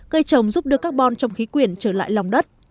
cây trồng giúp đưa carbon trong khí quyển trở lại lòng đất